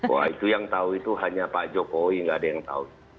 wah itu yang tahu itu hanya pak jokowi nggak ada yang tahu